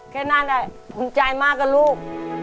แค่นั้นแหละภูมิใจมากกับลูก